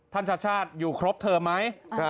ท่านชัตริย์ชาติอยู่ครบเทิมไหม